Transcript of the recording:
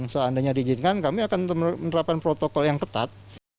seandainya diizinkan kami akan menerapkan protokol yang ketat